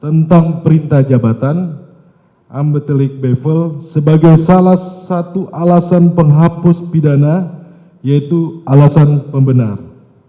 tentang perintah jabatan ambetelik bevel sebagai salah satu alasan penghapus pidana yaitu alasan pembenar